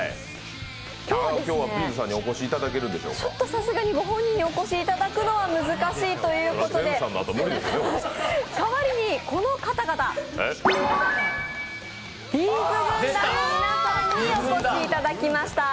今日はさすがにご本人にお越しいただくのは難しいということで代わりに、この方々Ｂ’ｚ軍団にお越しいただきました。